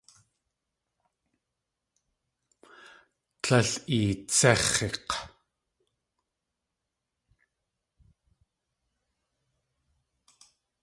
Líl eetséx̲ik̲!